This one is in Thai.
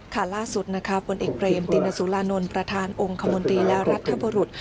ล่าสุดนะคะผลเอกเบรมตินสุรานนท์ประธานองค์คมนตรีและรัฐบุรุษ